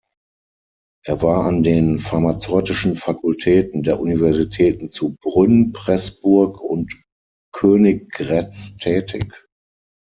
Er war an den pharmazeutischen Fakultäten der Universitäten zu Brünn, Pressburg und Königgrätz tätig.